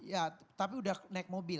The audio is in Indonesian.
ya tapi udah naik mobil